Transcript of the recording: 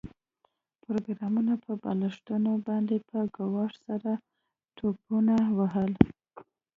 پروګرامر په بالښتونو باندې په ګواښ سره ټوپونه وهل